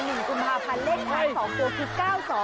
หนึ่งกุมภาพันธ์เลขทั้ง๒ตัวคลิป๙๒